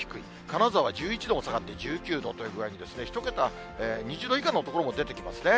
金沢１１度も下がって、１９度という具合に１桁、２０度以下の所も出てきますね。